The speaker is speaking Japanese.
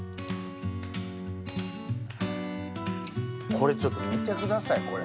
これちょっと見てください。